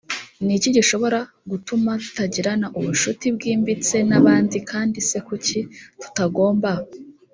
ni iki gishobora gutuma tutagirana ubucuti bwimbitse n’abandi kandi se kuki tutagomba